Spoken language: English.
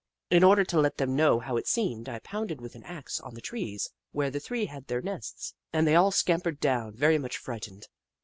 In order to let them know how it seemed, I pounded with an axe on the trees where the three had their nests, and they all scampered down, very much frightened.